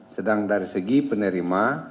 sedang dari segi penerima